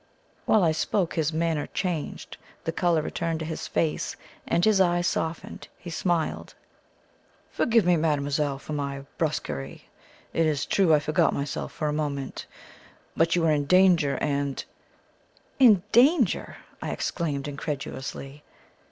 While I spoke his manner changed, the colour returned to his face, and his eyes softened he smiled. "Forgive me, mademoiselle, for my brusquerie. It is true I forgot myself for a moment. But you were in danger, and " "In danger!" I exclaimed incredulously.